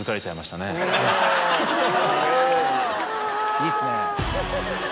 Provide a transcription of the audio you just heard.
いいっすね。